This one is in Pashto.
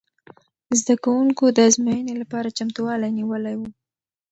زده کوونکو د ازموینې لپاره چمتووالی نیولی و.